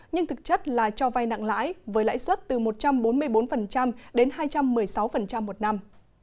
nhưng thực chất là cho vay nặng lãi với lãi suất từ một trăm bốn mươi bốn đến hai trăm một mươi sáu một năm